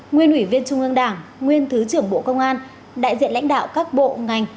nguyên ủy viên trung ương đảng nguyên thứ trưởng bộ công an đại diện lãnh đạo các bộ ngành